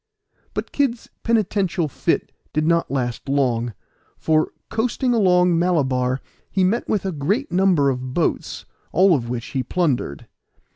But Kid's penitential fit did not last long, for, coasting along Malabar, he met with a great number of boats, all which he plundered.